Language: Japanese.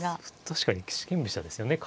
確かに四間飛車ですよね。